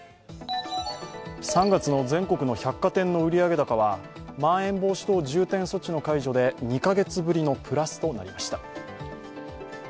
３月の全国の百貨店の売上高はまん延防止等重点措置の解除で２カ月ぶりのプラスとなりました。